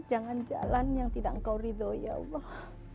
jangan jalan yang tidak engkau ridho ya allah